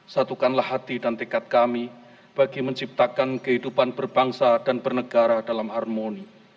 satukanlah hati dan tekad kami bagi menciptakan kehidupan berbangsa dan bernegara dalam harmoni